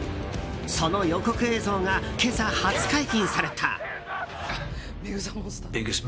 その予告映像が今朝、初解禁された。